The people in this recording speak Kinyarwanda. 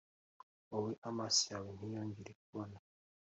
wowe, amaso yawe ntiyongere kubona,